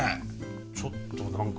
ちょっと何か。